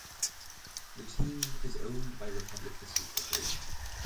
The team is owned by Republic Biscuit Corporation.